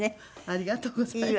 ありがとうございます。